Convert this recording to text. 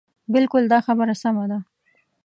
بلکل دا خبره سمه ده.